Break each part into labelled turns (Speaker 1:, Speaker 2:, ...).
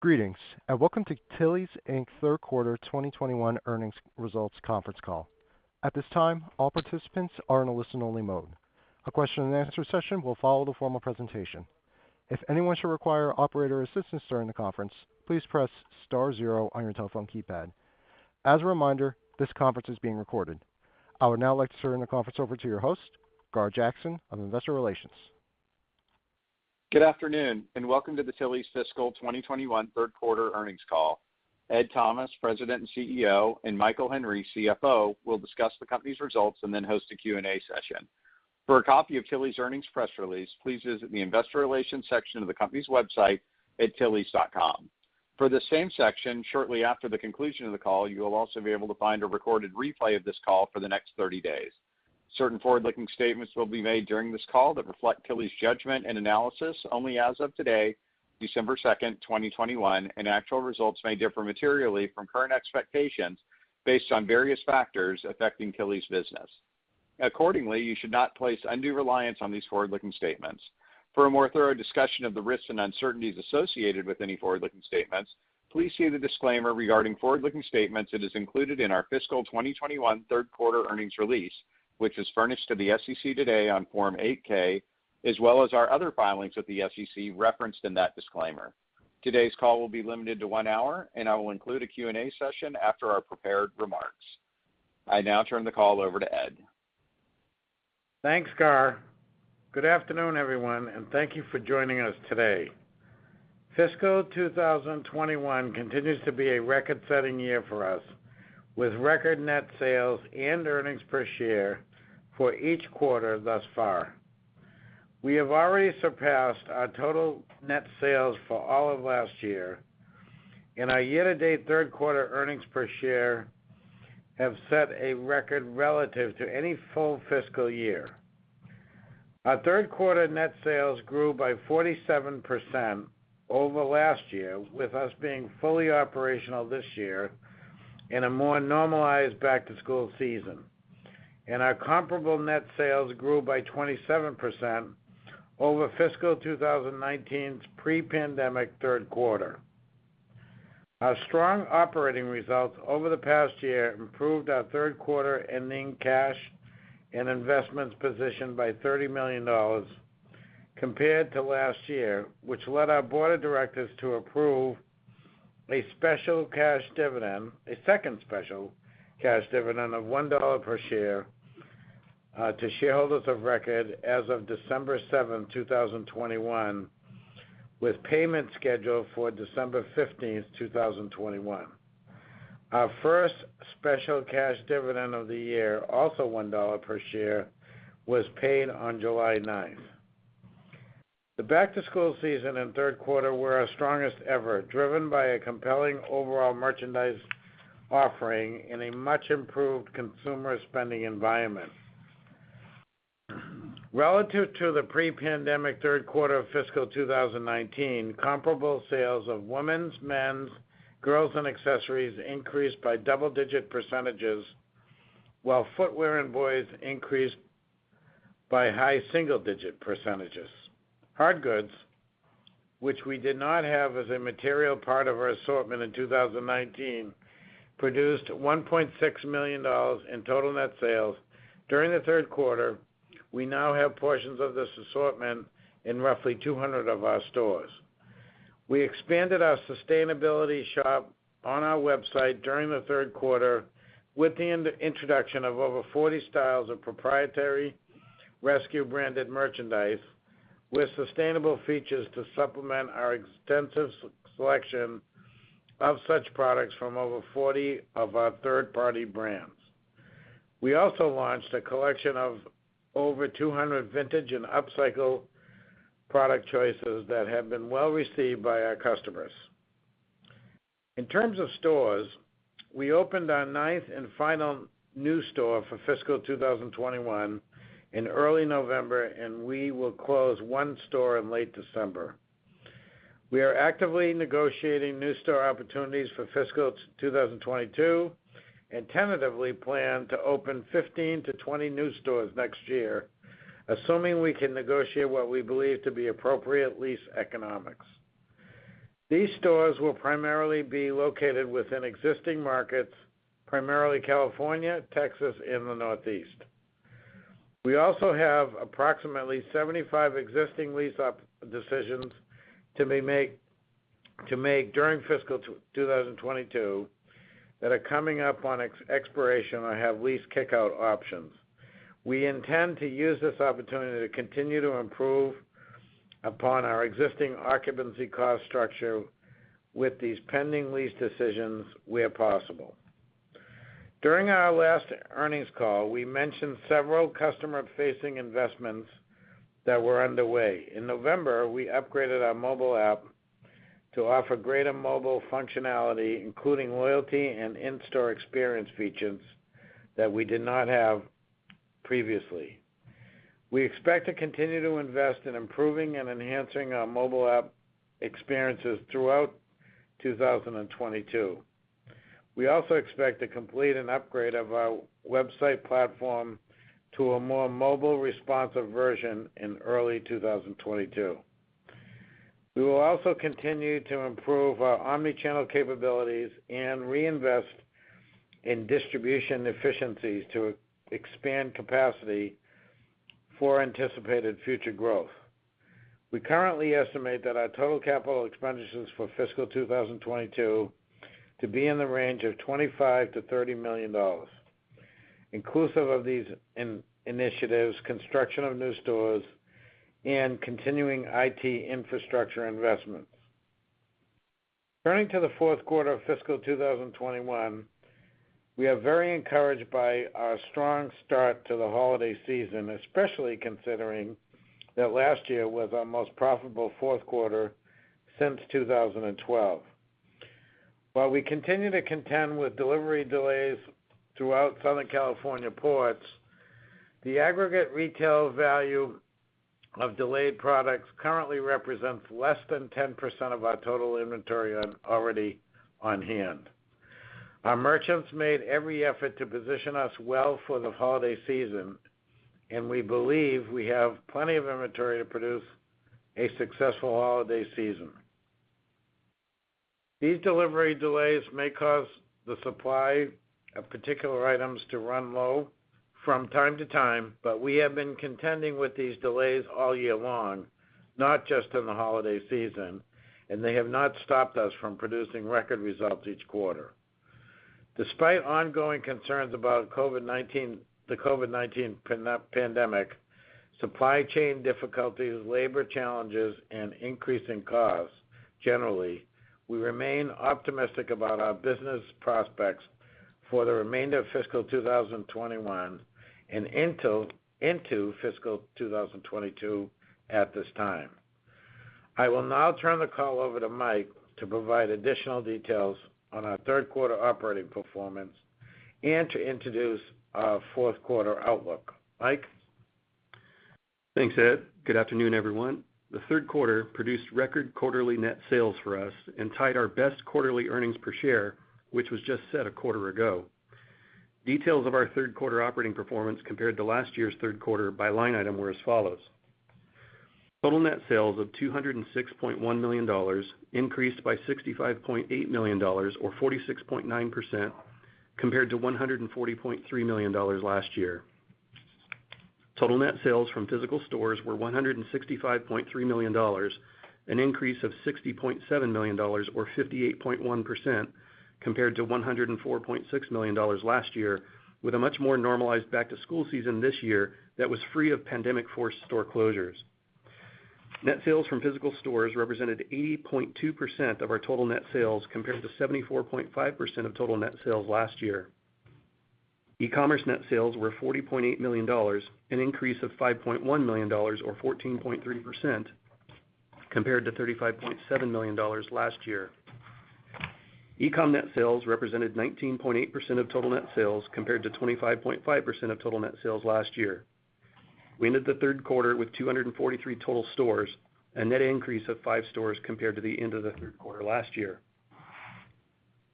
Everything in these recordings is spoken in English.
Speaker 1: Greetings, and welcome to Tilly's, Inc. Third Quarter 2021 Earnings Results Conference Call. At this time, all participants are in a listen-only mode. A question-and-answer session will follow the formal presentation. If anyone should require operator assistance during the conference, please press star-zero on your telephone keypad. As a reminder, this conference is being recorded. I would now like to turn the conference over to your host, Gar Jackson of Investor Relations.
Speaker 2: Good afternoon, and welcome to the Tilly's fiscal 2021 third quarter earnings call. Ed Thomas, President and CEO, and Michael Henry, CFO, will discuss the company's results and then host a Q&A session. For a copy of Tilly's earnings press release, please visit the investor relations section of the company's website at tillys.com. For the same section, shortly after the conclusion of the call, you will also be able to find a recorded replay of this call for the next 30 days. Certain forward-looking statements will be made during this call that reflect Tilly's judgment and analysis only as of today, December 2nd, 2021, and actual results may differ materially from current expectations based on various factors affecting Tilly's business. Accordingly, you should not place undue reliance on these forward-looking statements. For a more thorough discussion of the risks and uncertainties associated with any forward-looking statements, please see the disclaimer regarding forward-looking statements that is included in our fiscal 2021 third quarter earnings release, which was furnished to the SEC today on Form 8-K, as well as our other filings with the SEC referenced in that disclaimer. Today's call will be limited to one hour, and I will include a Q&A session after our prepared remarks. I now turn the call over to Ed.
Speaker 3: Thanks, Gar. Good afternoon, everyone, and thank you for joining us today. Fiscal 2021 continues to be a record-setting year for us, with record net sales and earnings per share for each quarter thus far. We have already surpassed our total net sales for all of last year, and our year-to-date third quarter earnings per share have set a record relative to any full fiscal year. Our third quarter net sales grew by 47% over last year, with us being fully operational this year in a more normalized back-to-school season. Our comparable net sales grew by 27% over fiscal 2019's pre-pandemic third quarter. Our strong operating results over the past year improved our third quarter ending cash and investments position by $30 million compared to last year, which led our board of directors to approve a special cash dividend, a second special cash dividend of $1 per share, to shareholders of record as of December 7, 2021, with payment scheduled for December 15th, 2021. Our first special cash dividend of the year, also $1 per share, was paid on July 9. The back-to-school season and third quarter were our strongest ever, driven by a compelling overall merchandise offering in a much improved consumer spending environment. Relative to the pre-pandemic third quarter of fiscal 2019, comparable sales of women's, men's, girls and accessories increased by double-digit percentages, while footwear and boys increased by high single-digit percentages. Hard goods, which we did not have as a material part of our assortment in 2019, produced $1.6 million in total net sales during the third quarter. We now have portions of this assortment in roughly 200 of our stores. We expanded our sustainability shop on our website during the third quarter with the introduction of over 40 styles of proprietary RSQ-branded merchandise with sustainable features to supplement our extensive selection of such products from over 40 of our third-party brands. We also launched a collection of over 200 vintage and upcycle product choices that have been well received by our customers. In terms of stores, we opened our ninth and final new store for fiscal 2021 in early November, and we will close one store in late December. We are actively negotiating new store opportunities for fiscal 2022 and tentatively plan to open 15-20 new stores next year, assuming we can negotiate what we believe to be appropriate lease economics. These stores will primarily be located within existing markets, primarily California, Texas, and the Northeast. We also have approximately 75 existing lease decisions to make during fiscal 2022 that are coming up on expiration or have lease kick-out options. We intend to use this opportunity to continue to improve upon our existing occupancy cost structure with these pending lease decisions where possible. During our last earnings call, we mentioned several customer-facing investments that were underway. In November, we upgraded our mobile app to offer greater mobile functionality, including loyalty and in-store experience features that we did not have previously. We expect to continue to invest in improving and enhancing our mobile app experiences throughout 2022. We also expect to complete an upgrade of our website platform to a more mobile responsive version in early 2022. We will also continue to improve our omni-channel capabilities and reinvest in distribution efficiencies to expand capacity for anticipated future growth. We currently estimate that our total capital expenditures for fiscal 2022 to be in the range of $25 million-$30 million, inclusive of these initiatives, construction of new stores, and continuing IT infrastructure investments. Turning to the fourth quarter of fiscal 2021, we are very encouraged by our strong start to the holiday season, especially considering that last year was our most profitable fourth quarter since 2012. While we continue to contend with delivery delays throughout Southern California ports, the aggregate retail value of delayed products currently represents less than 10% of our total inventory already on hand. Our merchants made every effort to position us well for the holiday season, and we believe we have plenty of inventory to produce a successful holiday season. These delivery delays may cause the supply of particular items to run low from time to time, but we have been contending with these delays all year long, not just in the holiday season, and they have not stopped us from producing record results each quarter. Despite ongoing concerns about COVID-19, the COVID-19 pandemic, supply chain difficulties, labor challenges, and increase in costs generally, we remain optimistic about our business prospects for the remainder of fiscal 2021 and into fiscal 2022 at this time. I will now turn the call over to Mike to provide additional details on our third quarter operating performance and to introduce our fourth quarter outlook. Mike?
Speaker 4: Thanks, Ed. Good afternoon, everyone. The third quarter produced record quarterly net sales for us and tied our best quarterly earnings per share, which was just set a quarter ago. Details of our third quarter operating performance compared to last year's third quarter by line item were as follows. Total net sales of $206.1 million increased by $65.8 million or 46.9% compared to $140.3 million last year. Total net sales from physical stores were $165.3 million, an increase of $60.7 million or 58.1% compared to $104.6 million last year with a much more normalized back to school season this year that was free of pandemic-forced store closures. Net sales from physical stores represented 80.2% of our total net sales compared to 74.5% of total net sales last year. E-commerce net sales were $40.8 million, an increase of $5.1 million or 14.3% compared to $35.7 million last year. E-com net sales represented 19.8% of total net sales compared to 25.5% of total net sales last year. We ended the third quarter with 243 total stores, a net increase of five stores compared to the end of the third quarter last year.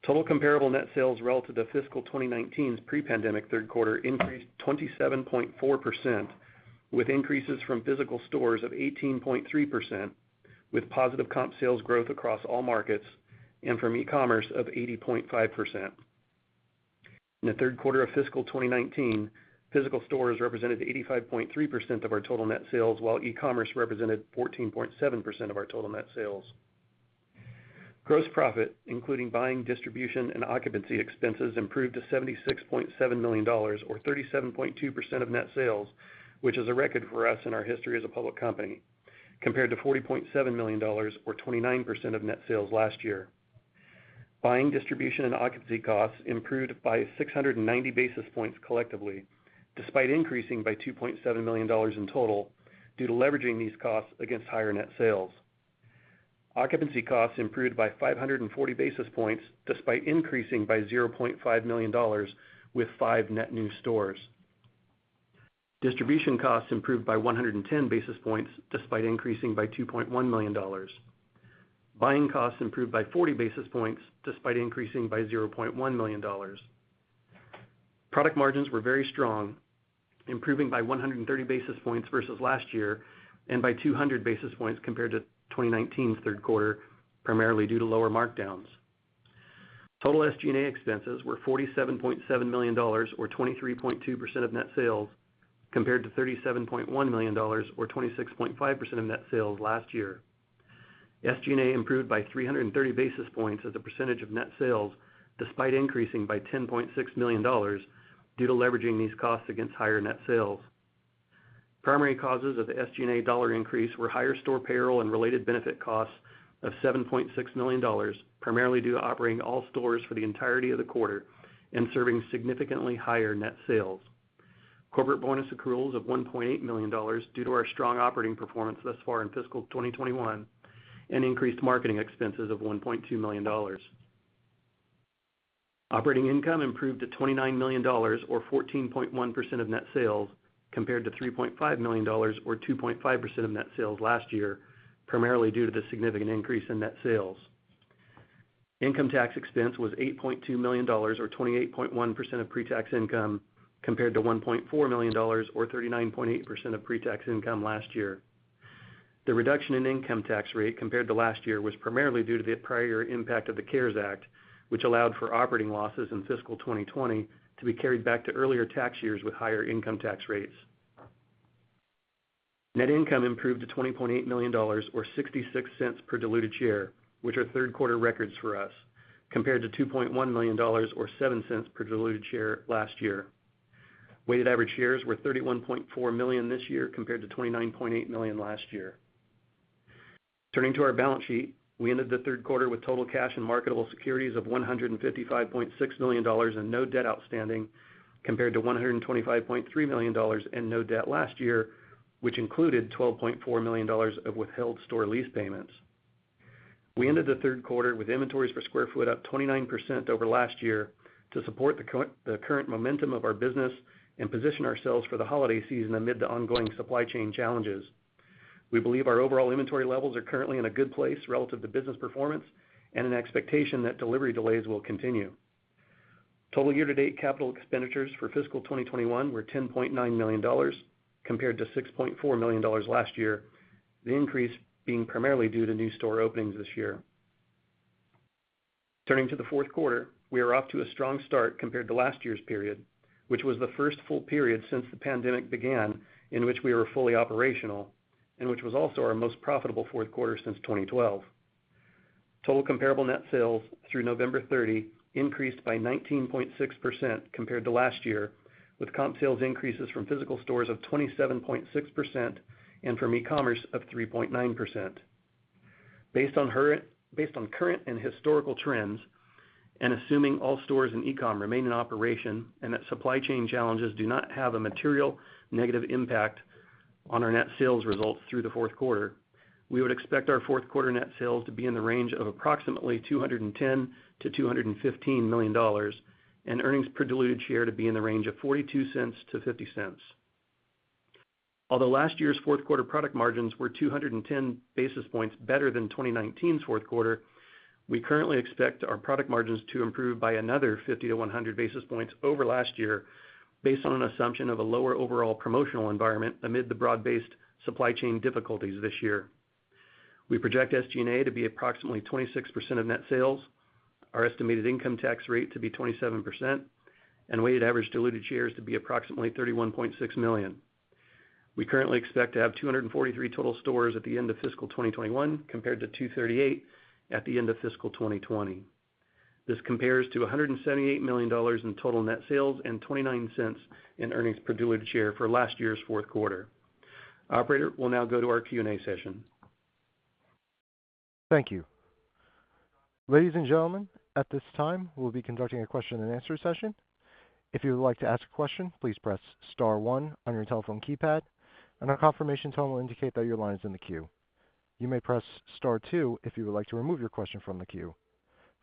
Speaker 4: Total comparable net sales relative to fiscal 2019's pre-pandemic third quarter increased 27.4% with increases from physical stores of 18.3% with positive comp sales growth across all markets and from e-commerce of 80.5%. In the third quarter of fiscal 2019, physical stores represented 85.3% of our total net sales, while e-commerce represented 14.7% of our total net sales. Gross profit, including buying, distribution, and occupancy expenses, improved to $76.7 million or 37.2% of net sales, which is a record for us in our history as a public company compared to $40.7 million or 29% of net sales last year. Buying, distribution, and occupancy costs improved by 690 basis points collectively, despite increasing by $2.7 million in total due to leveraging these costs against higher net sales. Occupancy costs improved by 540 basis points despite increasing by $0.5 million with five net new stores. Distribution costs improved by 110 basis points despite increasing by $2.1 million. Buying costs improved by 40 basis points despite increasing by $0.1 million. Product margins were very strong, improving by 130 basis points versus last year and by 200 basis points compared to 2019's third quarter, primarily due to lower markdowns. Total SG&A expenses were $47.7 million or 23.2% of net sales compared to $37.1 million or 26.5% of net sales last year. SG&A improved by 330 basis points as a percentage of net sales despite increasing by $10.6 million due to leveraging these costs against higher net sales. Primary causes of the SG&A dollar increase were higher store payroll and related benefit costs of $7.6 million, primarily due to operating all stores for the entirety of the quarter and serving significantly higher net sales. Corporate bonus accruals of $1.8 million due to our strong operating performance thus far in fiscal 2021 and increased marketing expenses of $1.2 million. Operating income improved to $29 million or 14.1% of net sales, compared to $3.5 million or 2.5% of net sales last year, primarily due to the significant increase in net sales. Income tax expense was $8.2 million or 28.1% of pre-tax income, compared to $1.4 million or 39.8% of pre-tax income last year. The reduction in income tax rate compared to last year was primarily due to the prior impact of the CARES Act, which allowed for operating losses in fiscal 2020 to be carried back to earlier tax years with higher income tax rates. Net income improved to $20.8 million or $0.66 per diluted share, which are third quarter records for us, compared to $2.1 million or $0.07 per diluted share last year. Weighted average shares were 31.4 million this year compared to 29.8 million last year. Turning to our balance sheet. We ended the third quarter with total cash and marketable securities of $155.6 million and no debt outstanding, compared to $125.3 million and no debt last year, which included $12.4 million of withheld store lease payments. We ended the third quarter with inventories per sq ft up 29% over last year to support the current momentum of our business and position ourselves for the holiday season amid the ongoing supply chain challenges. We believe our overall inventory levels are currently in a good place relative to business performance and an expectation that delivery delays will continue. Total year-to-date capital expenditures for fiscal 2021 were $10.9 million, compared to $6.4 million last year, the increase being primarily due to new store openings this year. Turning to the fourth quarter, we are off to a strong start compared to last year's period, which was the first full period since the pandemic began, in which we were fully operational and which was also our most profitable fourth quarter since 2012. Total comparable net sales through November 30 increased by 19.6% compared to last year, with comp sales increases from physical stores of 27.6% and from e-commerce of 3.9%. Based on current and historical trends and assuming all stores and e-com remain in operation and that supply chain challenges do not have a material negative impact on our net sales results through the fourth quarter, we would expect our fourth quarter net sales to be in the range of approximately $210 million-$215 million and earnings per diluted share to be in the range of $0.42-$0.50. Although last year's fourth quarter product margins were 210 basis points better than 2019's fourth quarter, we currently expect our product margins to improve by another 50-100 basis points over last year based on an assumption of a lower overall promotional environment amid the broad-based supply chain difficulties this year. We project SG&A to be approximately 26% of net sales, our estimated income tax rate to be 27% and weighted average diluted shares to be approximately 31.6 million. We currently expect to have 243 total stores at the end of fiscal 2021 compared to 238 at the end of fiscal 2020. This compares to $178 million in total net sales and $0.29 in earnings per diluted share for last year's fourth quarter. Operator, we'll now go to our Q&A session.
Speaker 1: Thank you. Ladies and gentlemen, at this time, we'll be conducting a question and answer session. If you would like to ask a question, please press star one on your telephone keypad and a confirmation tone will indicate that your line is in the queue. You may press star two if you would like to remove your question from the queue.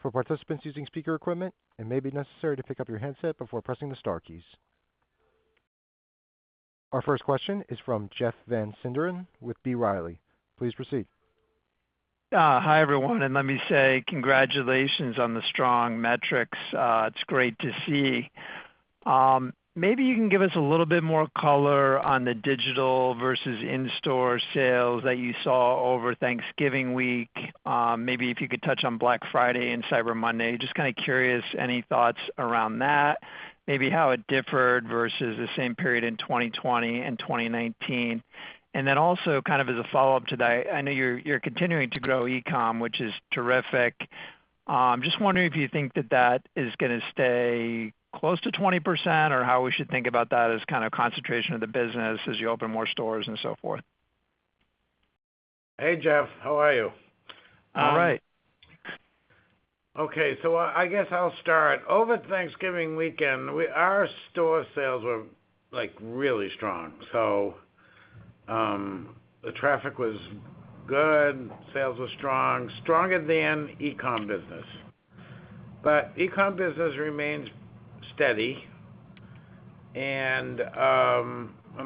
Speaker 1: For participants using speaker equipment, it may be necessary to pick up your handset before pressing the star keys. Our first question is from Jeff Van Sinderen with B. Riley. Please proceed.
Speaker 5: Yeah. Hi, everyone, and let me say congratulations on the strong metrics. It's great to see. Maybe you can give us a little bit more color on the digital versus in-store sales that you saw over Thanksgiving week. Maybe if you could touch on Black Friday and Cyber Monday. Just kinda curious, any thoughts around that, maybe how it differed versus the same period in 2020 and 2019. Also kind of as a follow-up to that, I know you're continuing to grow e-com, which is terrific. Just wondering if you think that is gonna stay close to 20% or how we should think about that as kind of concentration of the business as you open more stores and so forth.
Speaker 3: Hey, Jeff, how are you?
Speaker 5: All right.
Speaker 3: Okay, I guess I'll start. Over Thanksgiving weekend, our store sales were, like, really strong. The traffic was good, sales were strong, stronger than e-com business. E-com business remains steady and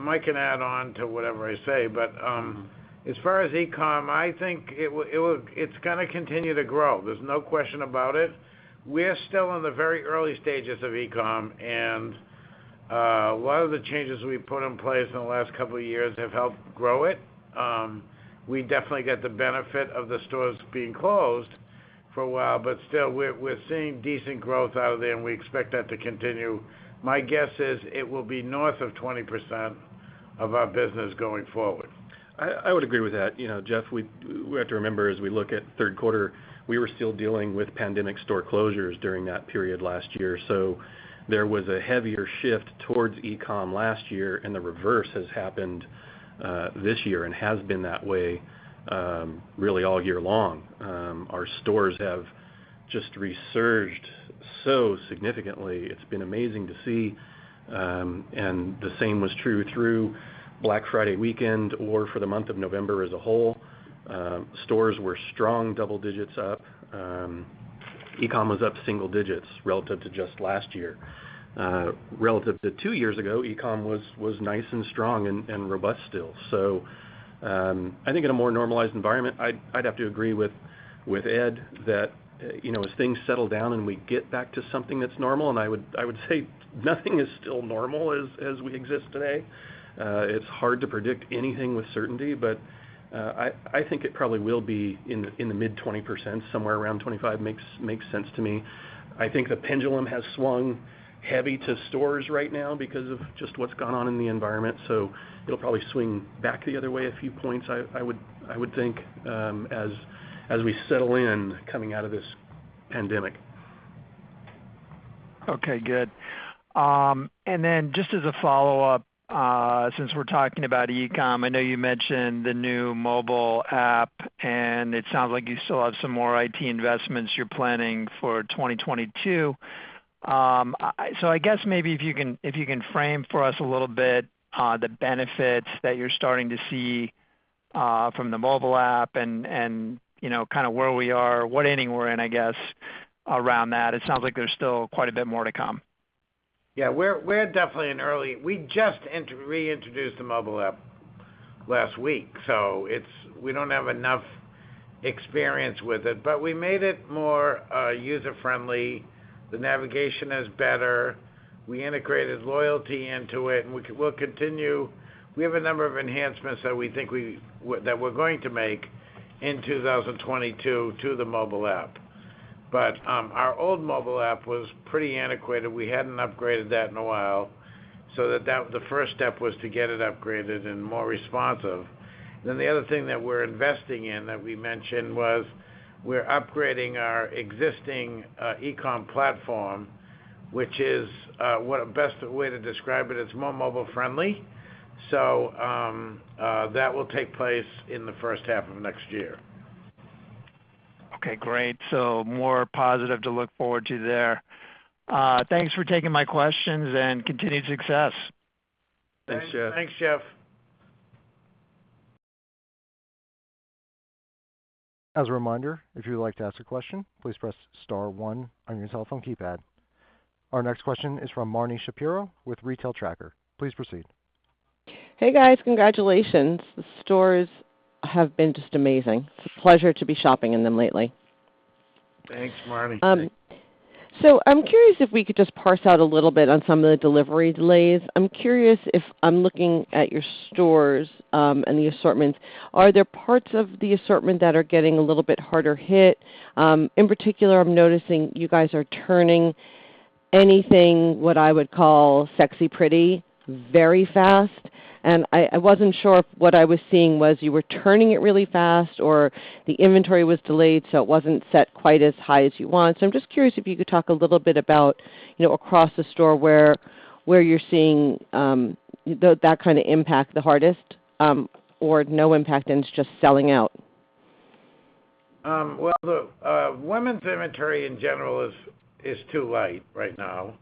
Speaker 3: Mike can add on to whatever I say. As far as e-com, I think it's gonna continue to grow, there's no question about it. We're still in the very early stages of e-com and a lot of the changes we've put in place in the last couple of years have helped grow it. We definitely get the benefit of the stores being closed for a while, but still, we're seeing decent growth out of there and we expect that to continue. My guess is it will be north of 20% of our business going forward.
Speaker 4: I would agree with that. You know, Jeff, we have to remember as we look at third quarter, we were still dealing with pandemic store closures during that period last year. There was a heavier shift towards e-com last year, and the reverse has happened, this year and has been that way, really all year long. Our stores have just resurged so significantly, it's been amazing to see, and the same was true through Black Friday weekend or for the month of November as a whole. Stores were strong, double digits up, e-com was up single digits relative to just last year. Relative to two years ago, e-com was nice and strong and robust still. I think in a more normalized environment, I'd have to agree with Ed that, you know, as things settle down and we get back to something that's normal, and I would say nothing is still normal as we exist today. It's hard to predict anything with certainty, but, I think it probably will be in the mid-20%. Somewhere around 25% makes sense to me. I think the pendulum has swung heavy to stores right now because of just what's gone on in the environment, so it'll probably swing back the other way a few points, I would think, as we settle in coming out of this pandemic.
Speaker 5: Okay, good. Just as a follow-up, since we're talking about e-com, I know you mentioned the new mobile app, and it sounds like you still have some more IT investments you're planning for 2022. I guess maybe if you can frame for us a little bit, the benefits that you're starting to see from the mobile app and, you know, kind of where we are or what inning we're in, I guess, around that. It sounds like there's still quite a bit more to come.
Speaker 3: Yeah. We're definitely in early. We just reintroduced the mobile app last week, so it's we don't have enough experience with it. We made it more user-friendly. The navigation is better. We integrated loyalty into it, and we'll continue. We have a number of enhancements that we think that we're going to make in 2022 to the mobile app. Our old mobile app was pretty antiquated. We hadn't upgraded that in a while, so the first step was to get it upgraded and more responsive. The other thing that we're investing in that we mentioned was we're upgrading our existing e-com platform, which is what's the best way to describe it's more mobile friendly. That will take place in the first half of next year.
Speaker 5: Okay, great. More positive to look forward to there. Thanks for taking my questions, and continued success.
Speaker 3: Thanks, Jeff.
Speaker 4: Thanks, Jeff.
Speaker 1: As a reminder, if you would like to ask a question, please press star one on your telephone keypad. Our next question is from Marni Shapiro with Retail Tracker. Please proceed.
Speaker 6: Hey, guys. Congratulations. The stores have been just amazing. It's a pleasure to be shopping in them lately.
Speaker 3: Thanks, Marni.
Speaker 6: I'm curious if we could just parse out a little bit on some of the delivery delays. I'm curious if I'm looking at your stores and the assortment. Are there parts of the assortment that are getting a little bit harder hit? In particular, I'm noticing you guys are turning anything, what I would call sexy pretty, very fast, and I wasn't sure if what I was seeing was you were turning it really fast or the inventory was delayed, so it wasn't set quite as high as you want. I'm just curious if you could talk a little bit about, you know, across the store where you're seeing that kind of impact the hardest or no impact and it's just selling out.
Speaker 3: Well, the women's inventory in general is too light right now.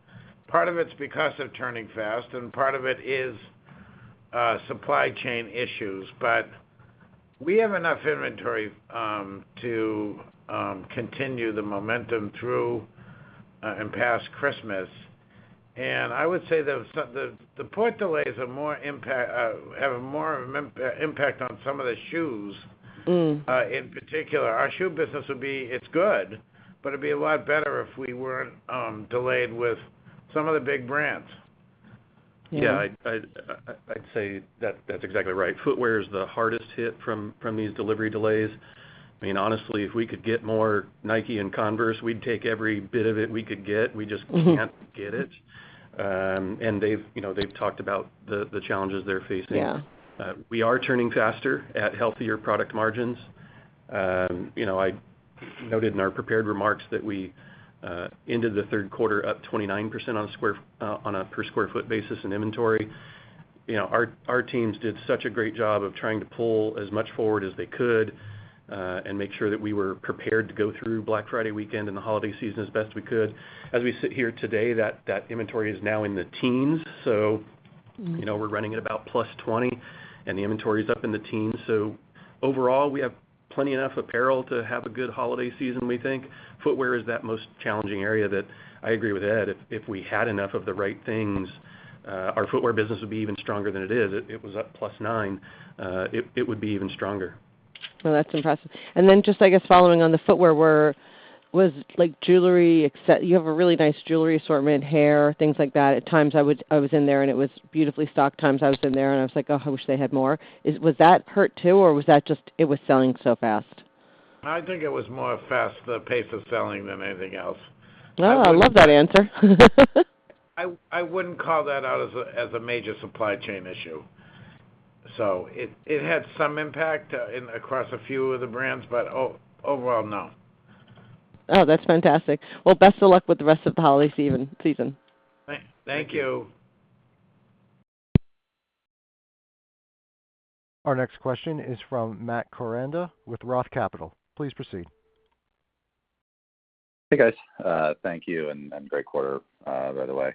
Speaker 3: Part of it's because of turning fast, and part of it is supply chain issues. But we have enough inventory to continue the momentum through and past Christmas. I would say the port delays have a more impact on some of the shoes.
Speaker 6: Mm.
Speaker 3: In particular. Our shoe business is good, but it'd be a lot better if we weren't delayed with some of the big brands.
Speaker 6: Yeah.
Speaker 4: Yeah. I'd say that's exactly right. Footwear is the hardest hit from these delivery delays. I mean, honestly, if we could get more Nike and Converse, we'd take every bit of it we could get. We just-
Speaker 6: Mm-hmm.
Speaker 4: They've, you know, they've talked about the challenges they're facing.
Speaker 6: Yeah.
Speaker 4: We are turning faster at healthier product margins. You know, I noted in our prepared remarks that we ended the third quarter up 29% on a per square foot basis in inventory. You know, our teams did such a great job of trying to pull as much forward as they could and make sure that we were prepared to go through Black Friday weekend and the holiday season as best we could. As we sit here today, that inventory is now in the teens.
Speaker 6: Mm-hmm.
Speaker 4: You know, we're running at about +20%, and the inventory is up in the teens. So overall, we have plenty enough apparel to have a good holiday season, we think. Footwear is that most challenging area that I agree with Ed. If we had enough of the right things, our footwear business would be even stronger than it is. It was up +9%. It would be even stronger.
Speaker 6: Well, that's impressive. Then just, I guess, following on the footwear, was like jewelry. You have a really nice jewelry assortment, hair, things like that. At times I was in there, and it was beautifully stocked. Times I was in there, and I was like, "Oh, I wish they had more." Was that hurt too, or was that just it was selling so fast?
Speaker 3: I think it was more fast, the pace of selling than anything else.
Speaker 6: Oh, I love that answer.
Speaker 3: I wouldn't call that out as a major supply chain issue. It had some impact across a few of the brands, but overall, no.
Speaker 6: Oh, that's fantastic. Well, best of luck with the rest of the holiday season.
Speaker 3: Thank you.
Speaker 4: Thank you.
Speaker 1: Our next question is from Matt Koranda with ROTH Capital. Please proceed.
Speaker 7: Hey, guys. Thank you, and great quarter, by the way.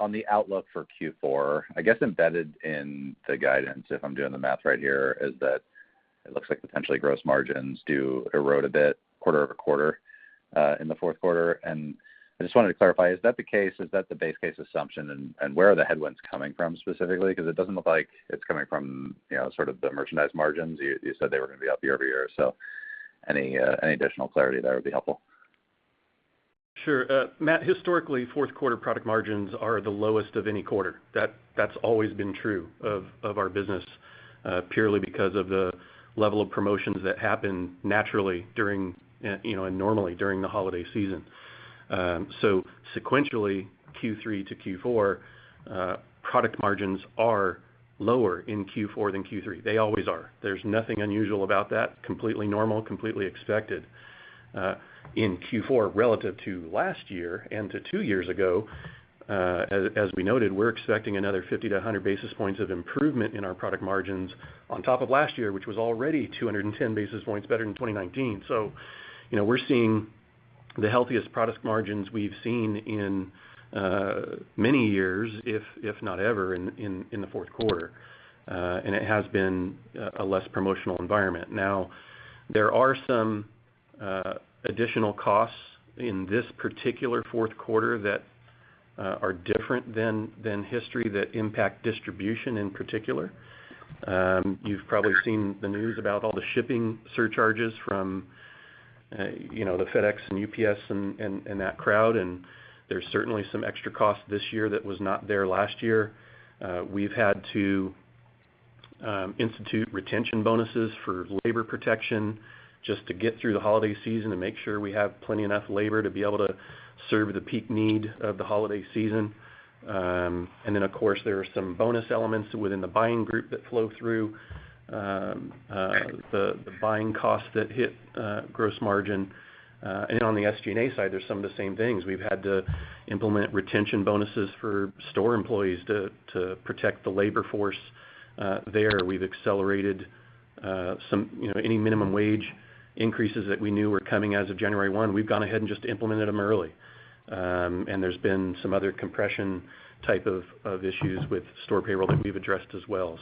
Speaker 7: On the outlook for Q4, I guess embedded in the guidance, if I'm doing the math right here, is that it looks like potentially gross margins do erode a bit quarter-over-quarter in the fourth quarter. I just wanted to clarify, is that the case? Is that the base case assumption? Where are the headwinds coming from specifically? 'Cause it doesn't look like it's coming from, you know, sort of the merchandise margins. You said they were gonna be up year-over-year. Any additional clarity there would be helpful.
Speaker 4: Sure. Matt, historically, fourth quarter product margins are the lowest of any quarter. That's always been true of our business, purely because of the level of promotions that happen naturally during, you know, and normally during the holiday season. Sequentially, Q3 to Q4, product margins are lower in Q4 than Q3. They always are. There's nothing unusual about that, completely normal, completely expected. In Q4 relative to last year and to two years ago, as we noted, we're expecting another 50-100 basis points of improvement in our product margins on top of last year, which was already 210 basis points better than 2019. You know, we're seeing the healthiest product margins we've seen in many years, if not ever in the fourth quarter. It has been a less promotional environment. Now, there are some additional costs in this particular fourth quarter that are different than history that impact distribution in particular. You've probably seen the news about all the shipping surcharges from, you know, the FedEx and UPS and that crowd, and there's certainly some extra costs this year that was not there last year. We've had to institute retention bonuses for labor protection just to get through the holiday season to make sure we have plenty enough labor to be able to serve the peak need of the holiday season. And then of course, there are some bonus elements within the buying group that flow through the buying costs that hit gross margin. And on the SG&A side, there's some of the same things. We've had to implement retention bonuses for store employees to protect the labor force there. We've accelerated. You know, any minimum wage increases that we knew were coming as of January 1, we've gone ahead and just implemented them early. There's been some other compression type of issues with store payroll that we've addressed as well.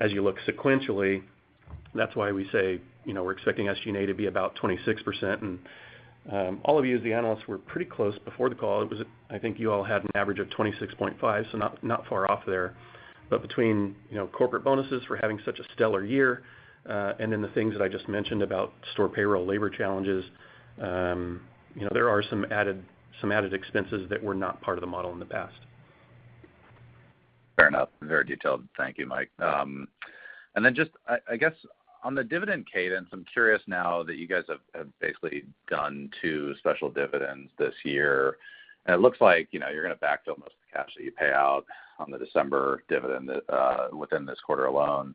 Speaker 4: As you look sequentially, that's why we say, you know, we're expecting SG&A to be about 26%. All of you as the analysts were pretty close before the call. It was. I think you all had an average of 26.5%, so not far off there. Between, you know, corporate bonuses for having such a stellar year, and then the things that I just mentioned about store payroll labor challenges, you know, there are some added expenses that were not part of the model in the past.
Speaker 7: Fair enough. Very detailed. Thank you, Mike. Just, I guess on the dividend cadence, I'm curious now that you guys have basically done two special dividends this year, and it looks like, you know, you're gonna backfill most of the cash that you pay out on the December dividend within this quarter alone.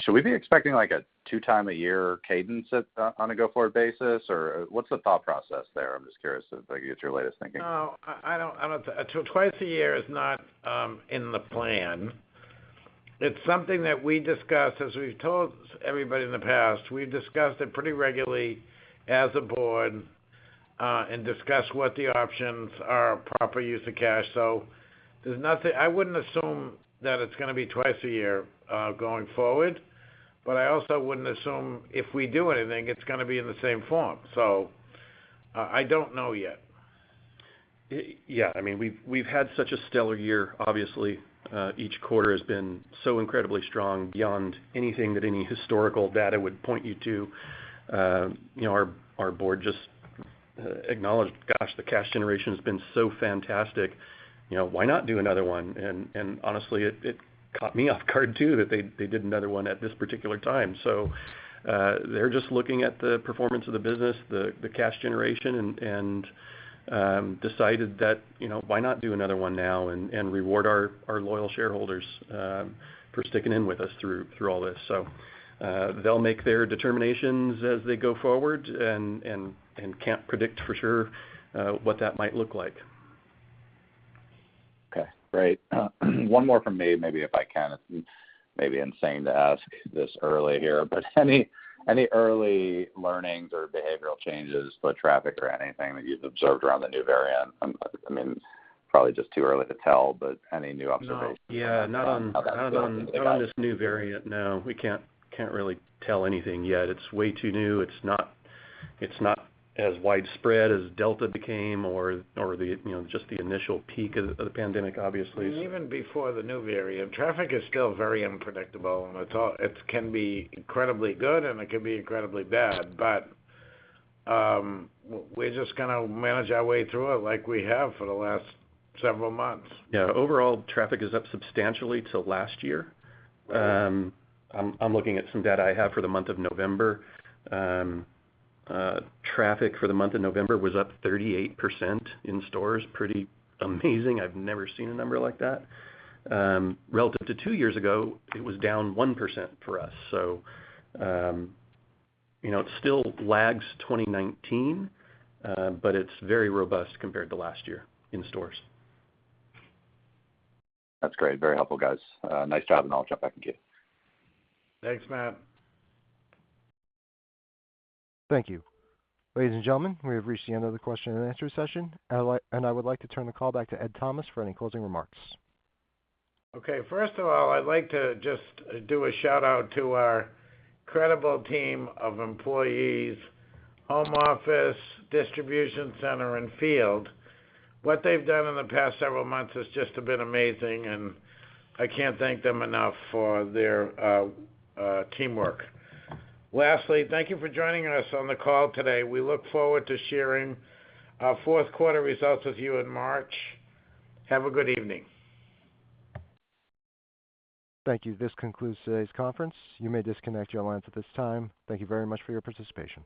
Speaker 7: Should we be expecting like a two-time a year cadence on a go-forward basis? Or what's the thought process there? I'm just curious if I can get your latest thinking.
Speaker 3: No. I don't. Twice a year is not in the plan. It's something that we discussed. As we've told everybody in the past, we discussed it pretty regularly as a board, and discussed what the options are, proper use of cash. There's nothing. I wouldn't assume that it's gonna be twice a year going forward, but I also wouldn't assume if we do anything, it's gonna be in the same form. I don't know yet.
Speaker 4: Yeah. I mean, we've had such a stellar year. Obviously, each quarter has been so incredibly strong beyond anything that any historical data would point you to. You know, our board just acknowledged. Gosh, the cash generation has been so fantastic. You know, why not do another one? Honestly, it caught me off guard too that they did another one at this particular time. They're just looking at the performance of the business, the cash generation and decided that, you know, why not do another one now and reward our loyal shareholders for sticking in with us through all this. They'll make their determinations as they go forward and can't predict for sure what that might look like.
Speaker 7: Okay. Great. One more from me, maybe if I can. It may be insane to ask this early here, but any early learnings or behavioral changes, foot traffic or anything that you've observed around the new variant? I mean, probably just too early to tell, but any new observations.
Speaker 4: No. Yeah. Not on-
Speaker 7: How that's looking for guys.
Speaker 4: Not on this new variant, no. We can't really tell anything yet. It's way too new. It's not as widespread as Delta became or the, you know, just the initial peak of the pandemic, obviously.
Speaker 3: Even before the new variant, traffic is still very unpredictable, and it's all. It can be incredibly good, and it can be incredibly bad. We're just gonna manage our way through it like we have for the last several months.
Speaker 4: Yeah. Overall, traffic is up substantially to last year. I'm looking at some data I have for the month of November. Traffic for the month of November was up 38% in stores. Pretty amazing. I've never seen a number like that. Relative to two years ago, it was down 1% for us. You know, it still lags 2019, but it's very robust compared to last year in stores.
Speaker 7: That's great. Very helpful, guys. Nice job, and I'll jump back in queue.
Speaker 3: Thanks, Matt.
Speaker 1: Thank you. Ladies and gentlemen, we have reached the end of the question and answer session. I would like to turn the call back to Ed Thomas for any closing remarks.
Speaker 3: Okay. First of all, I'd like to just do a shout-out to our incredible team of employees, home office, distribution center, and field. What they've done in the past several months has just been amazing, and I can't thank them enough for their teamwork. Lastly, thank you for joining us on the call today. We look forward to sharing our fourth quarter results with you in March. Have a good evening.
Speaker 1: Thank you. This concludes today's conference. You may disconnect your lines at this time. Thank you very much for your participation.